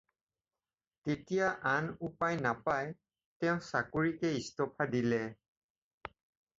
তেতিয়া আন উপায় নাপাই তেওঁ চাকৰিকে ইস্তফা দিলে।